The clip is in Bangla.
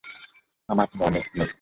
আমার মনে নেই।